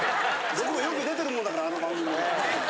僕もよく出てるもんだからあの番組。